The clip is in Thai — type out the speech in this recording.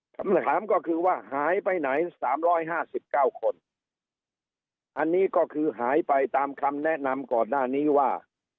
คำถามก็คือว่าหายไปไหนสามร้อยห้าสิบเก้าคนอันนี้ก็คือหายไปตามคำแนะนำก่อนหน้านี้ว่า